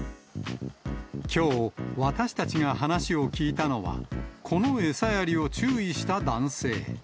きょう、私たちが話を聞いたのは、この餌やりを注意した男性。